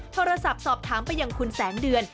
โทรศัพท์สอบถามไปยังคุณแสงเดือน